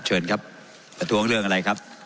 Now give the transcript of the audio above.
เชิญครับประท้วงเรื่องอะไรครับ